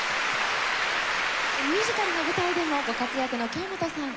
ミュージカルの舞台でもご活躍の京本さん